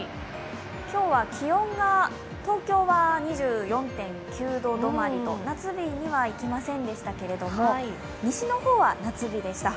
今日は気温が東京は２４．９度止まりと夏日にはいきませんでしたけれども、西の方は夏日でした。